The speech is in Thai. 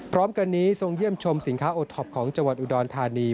พร้อมกันนี้ทรงเยี่ยมชมสินค้าโอท็อปของจังหวัดอุดรธานี